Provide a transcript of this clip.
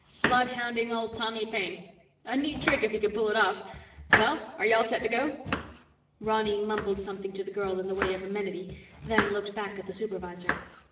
Bloodhounding old Tommy Paine. A neat trick if you can pull it off. Well, are you all set to go?" Ronny mumbled something to the girl in the way of amenity, then looked back at the supervisor.